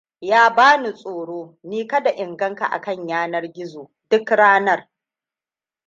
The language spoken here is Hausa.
Ya bani tsoro ni kada in gan ka akan zanar gizo duk ranar.